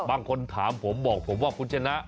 บางคนถามผมบอกผมว่าคุณชนะ